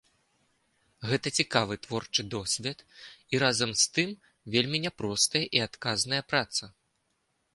Гэта цікавы творчы досвед і, разам з тым, вельмі няпростая і адказная праца.